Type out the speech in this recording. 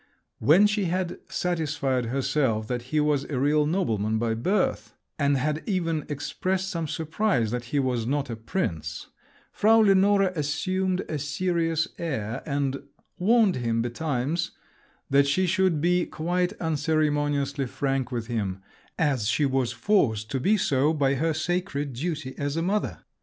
When she had satisfied herself that he was a real nobleman by birth, and had even expressed some surprise that he was not a prince, Frau Lenore assumed a serious air and "warned him betimes" that she should be quite unceremoniously frank with him, as she was forced to be so by her sacred duty as a mother!